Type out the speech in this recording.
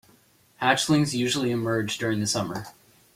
Hatchlings usually emerge during the summer.